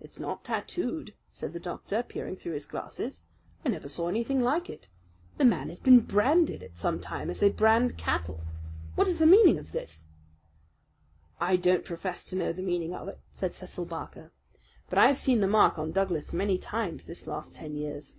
"It's not tattooed," said the doctor, peering through his glasses. "I never saw anything like it. The man has been branded at some time as they brand cattle. What is the meaning of this?" "I don't profess to know the meaning of it," said Cecil Barker; "but I have seen the mark on Douglas many times this last ten years."